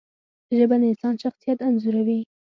ژبه د انسان شخصیت انځوروي